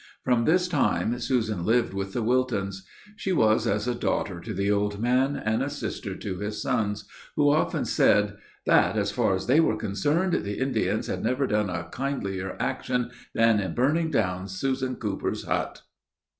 From this time, Susan lived with the Wiltons. She was as a daughter to the old man, and a sister to his sons, who often said, "That, as far as they were concerned, the Indians had never done a kindlier action than in burning down Susan Cooper's hut."